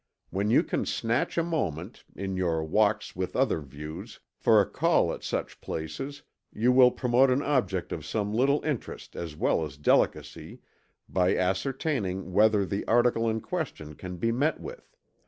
When you can snatch a moment, in your walks with other views, for a call at such places, you will promote an object of some little interest as well as delicacy, by ascertaining whether the article in question can be met with.